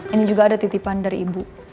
ini juga ada titipan dari ibu